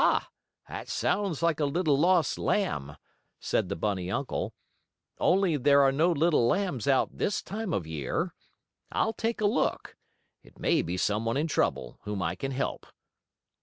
"Ha! That sounds like a little lost lamb," said the bunny uncle, "only there are no little lambs out this time of year. I'll take a look. It may be some one in trouble, whom I can help."